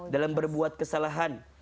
dalam berbuat kesalahan